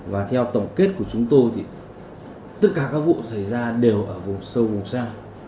và theo tổng kết của chúng tôi thì tất cả các vụ xảy ra đều ở vùng sâu vùng xa